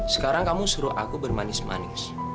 sekarang kamu suruh aku bermanis manis